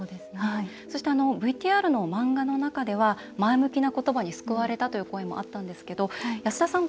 そしてＶＴＲの漫画の中では前向きな言葉に救われたという声もあったんですけど安田さん